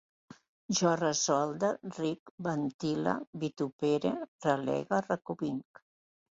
Jo ressolde, ric, ventile, vitupere, relegue, reconvinc